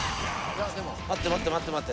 待って待って待って。